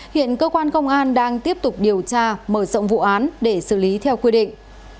hiện cơ quan công an đang tiếp tục điều tra mở rộng vụ án để xử lý theo quy định